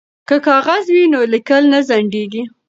که کاغذ وي نو لیکل نه ځنډیږي.